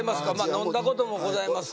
飲んだこともございますか？